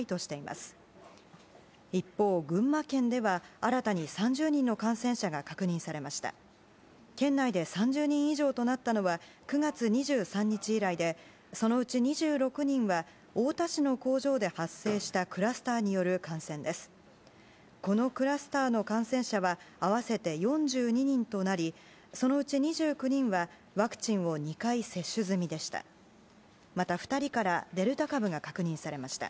このクラスターの感染者は合わせて４２人となりそのうち２９人はワクチンを２回接種済みでした。